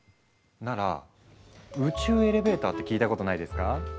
なら宇宙エレベーターって聞いたことないですか？